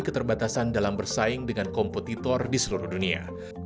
keterbatasan dalam bersaing dengan kompetitor di seluruh dunia